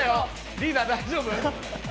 リーダー大丈夫？